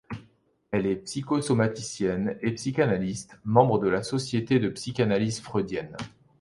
Elle est psychosomaticienne, et psychanalyste, membre de la Société de psychanalyse freudienne.